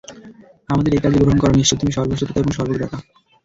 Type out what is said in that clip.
আমাদের এই কাজ গ্রহণ কর, নিশ্চয় তুমি সর্বশ্রোতা, সর্বজ্ঞাতা।